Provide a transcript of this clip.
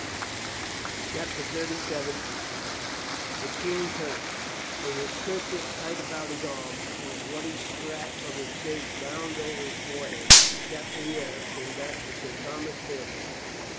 CHAPTER THIRTY SEVEN THE KING TURNS WITH his kerchief tight about his arm and a bloody scrap of his shirt bound over his fore head, Captain Vera came back to Sir Thomas Fair fax.